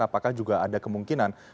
apakah juga ada kemungkinan